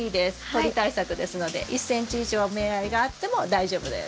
鳥対策ですので１ｃｍ以上目合いがあっても大丈夫です。